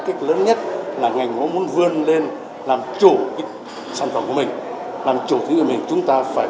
các doanh nghiệp vẫn đang theo đơn đặt hàng